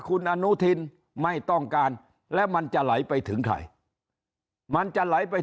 คุณอนุทินไม่ต้องการแล้วมันจะไหลไปถึงใครมันจะไหลไป